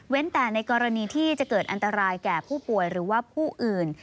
แต่ในกรณีที่จะเกิดอันตรายแก่ผู้ป่วยหรือว่าผู้อื่น